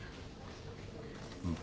うん。